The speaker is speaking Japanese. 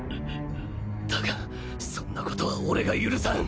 だがそんなことは俺が許さん！